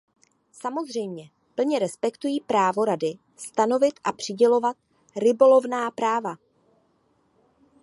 Samozřejmě plně respektuji právo Rady stanovit a přidělovat rybolovná práva.